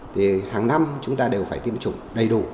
thì hàng năm chúng ta đều phải tiêm chủng đầy đủ